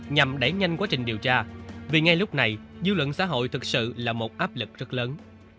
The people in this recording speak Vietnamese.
nhằm đẩy nhanh quá trình điều tra vì ngay lúc này dư luận xã hội thực sự là một áp lực rất lớn